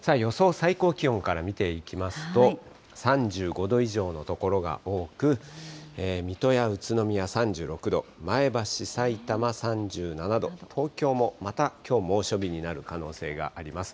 最高気温から見ていきますと、３５度以上の所が多く、水戸や宇都宮３６度、前橋、さいたま、３７度、東京もまたきょう、猛暑日になる可能性があります。